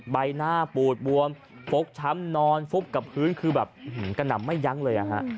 ใบหน้าปูดบวมฟกช้ำนอนฟุบกับพื้นคือแบบกระหน่ำไม่ยั้งเลย